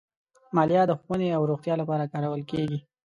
مالیه د ښوونې او روغتیا لپاره کارول کېږي.